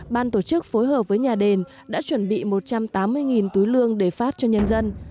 ban tổ chức phối hợp với nhà đền đã chuẩn bị một trăm tám mươi túi lương để phát cho nhân dân